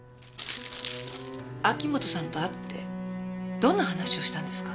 秋本さんと会ってどんな話をしたんですか？